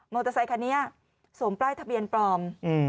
เตอร์ไซคันนี้สวมป้ายทะเบียนปลอม